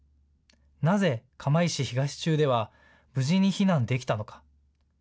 なぜ釜石東中では、無事に避難できたのか。